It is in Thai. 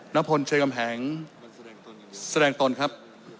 นพลเชิงกำแหงแสดงตนครับ